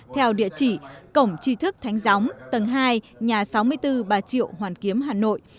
theo địa chỉ cổng chi thức thánh gióng tầng hai nhà sáu mươi bốn bà triệu hoàn kiếm hà nội